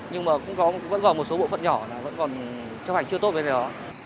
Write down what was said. nhưng mà vẫn còn một số bộ phận nhỏ là vẫn còn chấp hành chưa tốt về cái đó